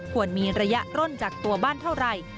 ควรมีระยะร่วนจากตัวบ้านเท่าไร